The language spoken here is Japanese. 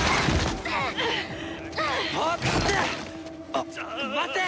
あっ待て！